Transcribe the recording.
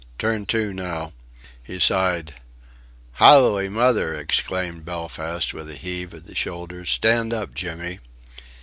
turn to now." He sighed. "Howly Mother!" exclaimed Belfast with a heave of the shoulders, "stand up, Jimmy."